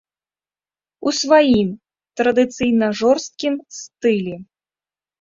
У сваім, традыцыйна жорсткім стылі.